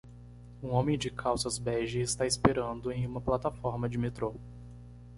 Um homem de calças bege está esperando em uma plataforma de metrô.